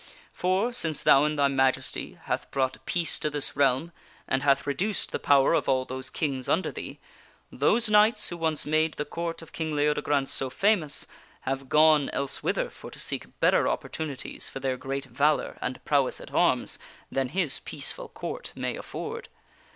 For, since thou in thy majesty hath brought peace to this realm and hath reduced the power of all those kings under thee, those knights who once made the Court of King Leodegrance so famous have gone elsewhither for to seek better opportunities for their great valor and prowess at arms than his peaceful Court may afford.